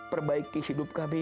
perbaiki hidup kami